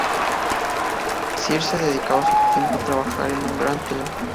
Circe dedicaba su tiempo a trabajar en un gran telar.